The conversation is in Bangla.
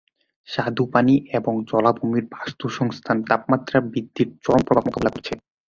স্বাদু পানি এবং জলাভূমির বাস্তুসংস্থান তাপমাত্রা বৃদ্ধির চরম প্রভাব মোকাবেলা করছে।